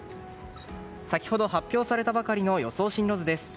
先ほど発表されたばかりの予想進路図です。